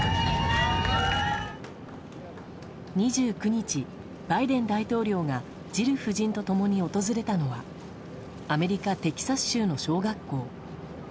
２９日、バイデン大統領がジル夫人と共に訪れたのはアメリカ・テキサス州の小学校。